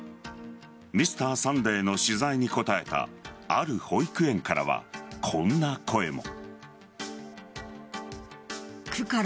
「Ｍｒ．サンデー」の取材に答えたある保育園からはこんな声も。